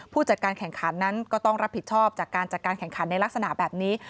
ผู้จัดการแข่งขันนั้นก็ต้องรับผิดชอบจากการจัดการแข่งขันในลักษณะแบบนี้